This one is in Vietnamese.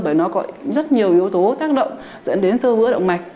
bởi nó có rất nhiều yếu tố tác động dẫn đến sơ vữa động mạch